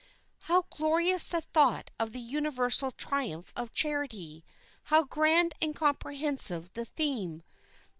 How glorious the thought of the universal triumph of charity! How grand and comprehensive the theme!